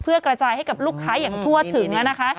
เพื่อกระจายให้กับลูกค้าอย่างทั่วถึงนะคะ